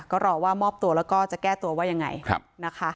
ก็รอว่ามอบตัวแล้วก็จะแก้ตัวว่ายังไงนะคะ